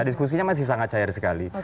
diskusinya masih sangat cair sekali